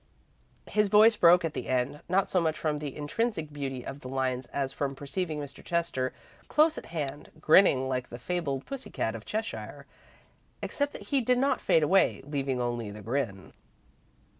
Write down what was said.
His voice broke at the end, not so much from the intrinsic beauty of the lines as from perceiving Mr. Chester close at hand, grinning like the fabled pussy cat of Cheshire, except that he did not fade away, leaving only the grin.